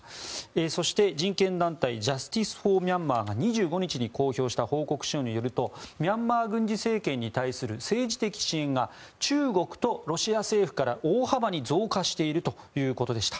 そして人権団体ジャスティス・フォー・ミャンマーが２５日に公表した報告書によるとミャンマー軍事政権に対する政治的支援が中国とロシア政府から大幅に増加しているということでした。